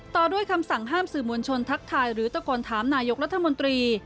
ต่อด้วยคำสั่งห้ามสื่อมวลชนทักทายหรือตะโกนถามนายกรัฐมนตรี